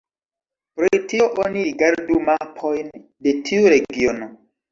Pri tio oni rigardu mapojn de tiu regiono.